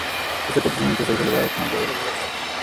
Este acontecimiento es hoy celebrado como el Día de la Libertad.